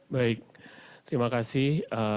baik terima kasih